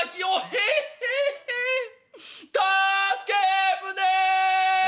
「ヘッヘッヘッ『助け船』」。